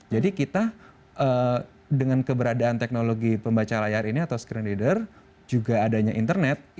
jadi kita dengan keberadaan teknologi pembaca layar ini atau screen reader juga adanya internet